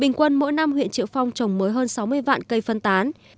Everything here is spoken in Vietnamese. bình quân mỗi năm huyện triệu phong trồng mới hơn sáu mươi vạn cây phân tán